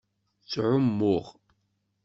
Ttɛummuɣ.